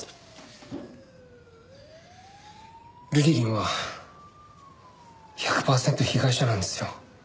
ルリリンは１００パーセント被害者なんですよ。